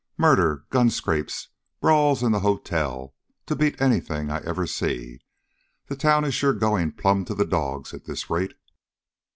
"Murder, gun scrapes, brawls in the hotel to beat anything I ever see. The town is sure going plumb to the dogs at this rate!"